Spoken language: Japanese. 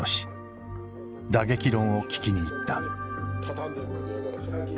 打撃論を聞きに行った。